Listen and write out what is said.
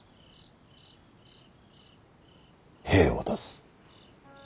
兵を出す。